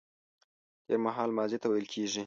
تېرمهال ماضي ته ويل کيږي